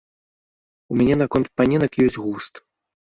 У мяне наконт паненак ёсць густ.